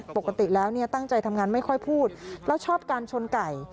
ปกติแล้วตั้งใจทำงานไม่ค่อยพูดแล้วชอบการชนไก่